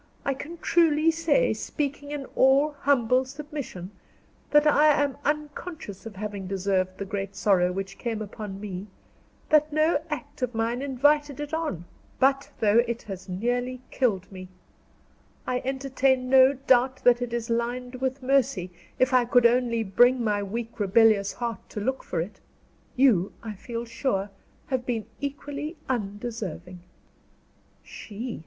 I can truly say, speaking in all humble submission, that I am unconscious of having deserved the great sorrow which came upon me; that no act of mine invited it on; but though it has nearly killed me, I entertain no doubt that it is lined with mercy, if I could only bring my weak rebellious heart to look for it. You, I feel sure, have been equally undeserving." She?